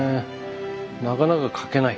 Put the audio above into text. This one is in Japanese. なかなか描けない。